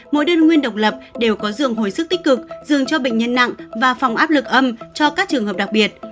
mỗi đơn nguyên độc lập đều có giường hồi sức tích cực dương cho bệnh nhân nặng và phòng áp lực âm cho các trường hợp đặc biệt